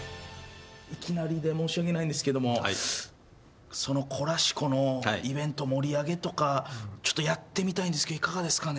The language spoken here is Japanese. いきなりで申し訳ないんですけどもそのコラシコのイベント盛り上げとかちょっとやってみたいんですけどいかがですかね？